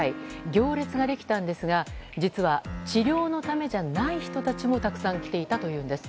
行列ができたんですが実は治療のためじゃない人たちもたくさん来ていたというんです。